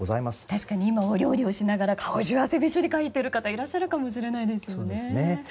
確かに今、お料理しながら顔中に汗をかいている方いらっしゃるかもしれないですよね。